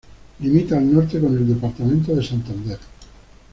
Limita al norte con el departamento de Santander.